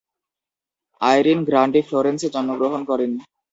Irin Grandi ফ্লোরেন্সে জন্মগ্রহণ করেন।